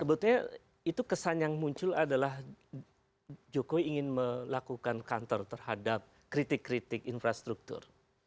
sebetulnya itu kesan yang muncul adalah jokowi ingin melakukan counter terhadap kritik kritik infrastruktur